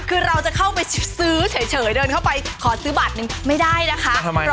คือเราจะเข้าไปซื้อเฉยเดินเข้าไปขอซื้อบัตรหนึ่งไม่ได้นะคะ